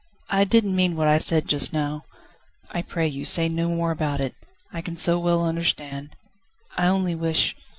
"I didn't mean what I said just now ..." "I pray you, say no more about it. I can so well understand. I only wish